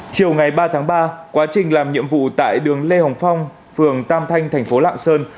chiều ngày ba tháng ba quá trình làm nhiệm vụ tại đường lê hồng phong phường tam thanh thành phố lạng sơn